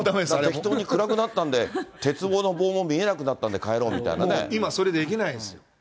暗くなったんで鉄棒の棒も見えなくなったんで帰ろうみたいな今、それ、できないです。